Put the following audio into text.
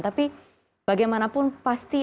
tapi bagaimanapun pasti